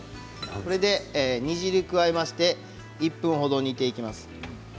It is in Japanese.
これで煮汁に加えまして１分ほど煮ていきます。